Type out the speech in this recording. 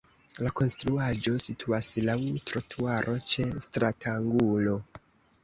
La konstruaĵo situas laŭ trotuaro ĉe stratangulo.